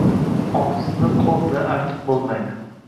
Og‘izni qo‘l bilan artib bo‘lmaydi.